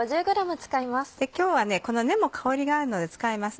今日はこの根も香りがあるので使います。